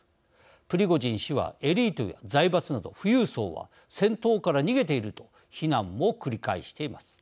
プリゴジン氏はエリートや財閥など富裕層は戦闘から逃げていると非難も繰り返しています。